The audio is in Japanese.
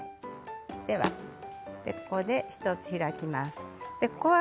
ここで１つ開きます。